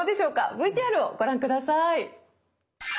ＶＴＲをご覧下さい。